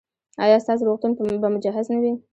ایا ستاسو روغتون به مجهز نه وي؟